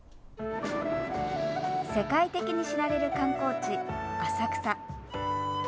世界的に知られる観光地、浅草。